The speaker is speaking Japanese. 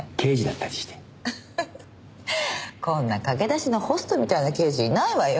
アハハこんな駆け出しのホストみたいな刑事いないわよ。